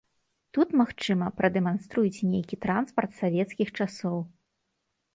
Тут, магчыма, прадэманструюць нейкі транспарт савецкіх часоў.